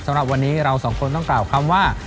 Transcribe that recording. สำหรับวันนี้เราสองคนต้องกล่าวคำว่า